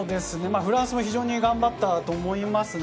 フランスも非常に頑張ったと思いますね。